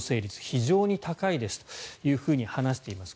非常に高いですというふうに話しています。